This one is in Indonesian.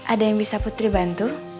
ada yang bisa putri bantu